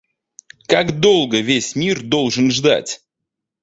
Как долго весь мир должен ждать?